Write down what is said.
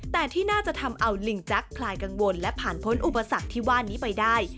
แต่ที่น่าจะทำเอาลิงจักรคลายกังวลและผ่านพ้นอุปสรรคที่ว่านี้ไปได้